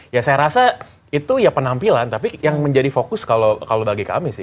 ya saya rasa itu ya penampilan tapi yang menjadi fokus kalau bagi kami sih